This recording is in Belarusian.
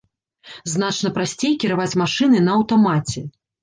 Значна прасцей кіраваць машынай на аўтамаце.